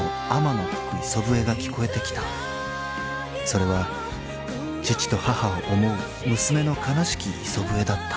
［それは父と母を思う娘の悲しき磯笛だった］